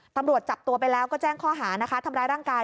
ตำรวจจับตัวไปแล้วก็แจ้งข้อหานะคะทำร้ายร่างกาย